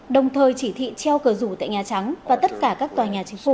đồng thời chỉ thị treo cờ rủ tại nhà trắng và tất cả các tòa nhà chính phủ